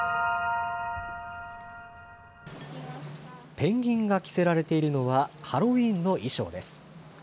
ペンギンが着せられているのはハロウィーンの衣装です。